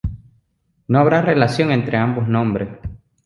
No habría relación entre ambos nombres.